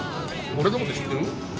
俺のこと知ってる？